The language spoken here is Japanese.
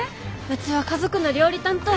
うちは家族の料理担当。